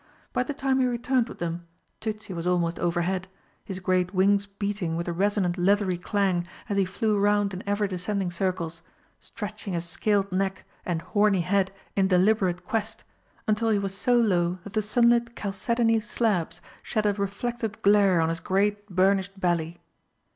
By the time he returned with them Tützi was almost overhead, his great wings beating with a resonant leathery clang as he flew round in ever descending circles, stretching his scaled neck and horny head in deliberate quest, until he was so low that the sunlit chalcedony slabs shed a reflected glare on his great burnished belly.